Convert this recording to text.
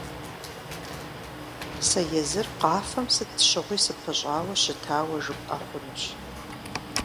Сэ езыр къафэм сыт щыгъуи сыпыщӀауэ щытауэ жыпӀэ хъунущ.